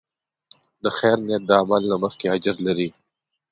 د خیر نیت د عمل نه مخکې اجر لري.